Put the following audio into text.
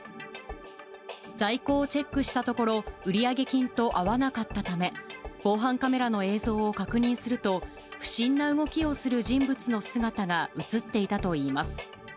在庫をチェックしたところ、売上金と合わなかったため、防犯カメラの映像を確認すると、不審な動きをする人物の姿が写っていたといいます。